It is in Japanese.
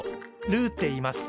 ルーって言います。